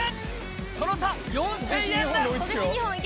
その差、４０００円です。